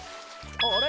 あれ？